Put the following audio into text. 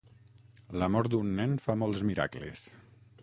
L'amor d'un nen fa molts miracles.